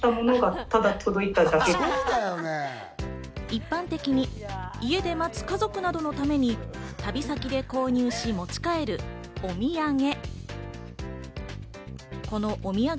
一般的に家で待つ家族などのために旅先で購入し、持ち帰るお土産。